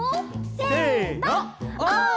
せのオ！